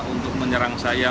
untuk menyerang saya